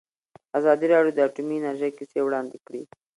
ازادي راډیو د اټومي انرژي کیسې وړاندې کړي.